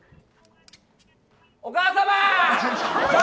お母様ぁ！